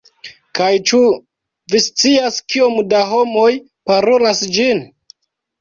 Kaj ĉu vi scias kiom da homoj parolas ĝin?